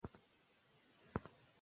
سړی پرون ستړی و.